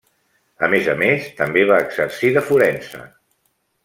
A més a més, també va exercir de forense.